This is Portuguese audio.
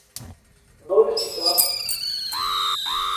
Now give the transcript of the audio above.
Dores de Campos